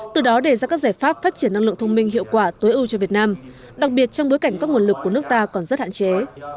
từ đó đề ra các giải pháp phát triển năng lượng thông minh hiệu quả tối ưu cho việt nam đặc biệt trong bối cảnh các nguồn lực của nước ta còn rất hạn chế